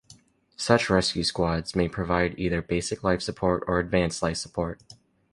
Such rescue squads may provide either basic life support or advanced life support.